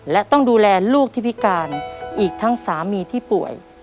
และต้องดูแลลูกที่พิการอีกทั้งสามีที่ป่วย